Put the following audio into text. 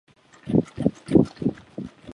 中国业界公认的打口源头是广东汕头的潮阳。